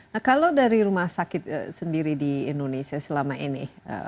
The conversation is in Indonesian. nah kalau dari rumah sakit sendiri di indonesia selama ini